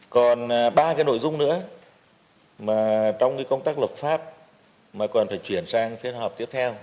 còn ba cái nội dung nữa mà trong cái công tác luật pháp mà còn phải chuyển sang phía họp tiếp theo